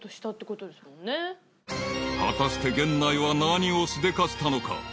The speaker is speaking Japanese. ［果たして源内は何をしでかしたのか？］